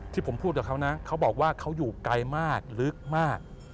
ที่ผมพูดกับเขานะเขาบอกว่าเขาอยู่ไกลมากลึกมาก